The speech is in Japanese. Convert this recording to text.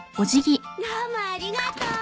どうもありがとう。